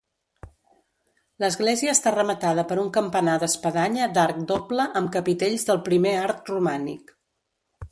L'església està rematada per un campanar d'espadanya d'arc doble amb capitells del primer art romànic.